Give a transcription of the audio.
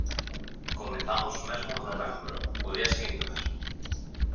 Comezamos mesmo en novembro, ao día seguinte mesmo.